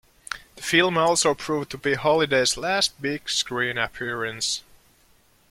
The film also proved to be Holliday's last big screen appearance.